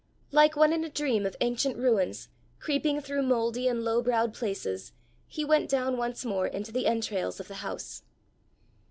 Like one in a dream of ancient ruins, creeping through mouldy and low browed places, he went down once more into the entrails of the house.